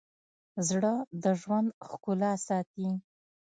زړه د ژوند ښکلا ساتي.